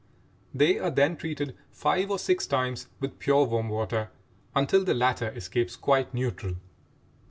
They are then treated five or six times with pure warm water until the latter escapes quite neutral.